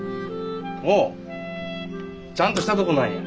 ほうちゃんとしたとこなんや。